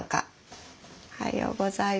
おはようございます。